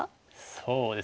そうですね